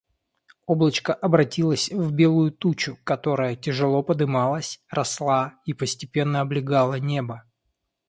Облачко обратилось в белую тучу, которая тяжело подымалась, росла и постепенно облегала небо.